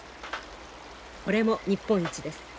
これも日本一です。